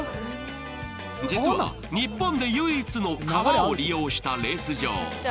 実は日本で唯一の川を利用したレース場。